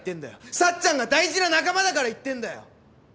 さっちゃんが大事な仲間だから言ってんだよ！